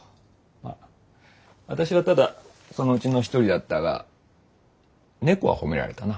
まああたしはただそのうちの一人だったが猫は褒められたな。